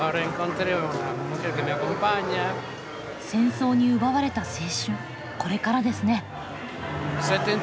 戦争に奪われた青春これからですね。